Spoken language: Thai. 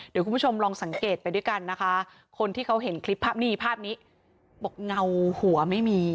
เดี๋ยวคุณผู้ชมลองสังเกตไปด้วยกันนะคะคนที่เขาเห็นคลิปภาพนี้ภาพนี้บอกเงาหัวไม่มี